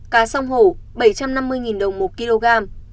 cá sông hổ bảy trăm năm mươi đồng một kg